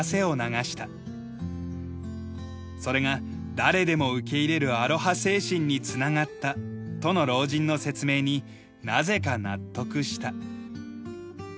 それが誰でも受け入れるアロハ精神につながったとの老人の説明になぜか納得した。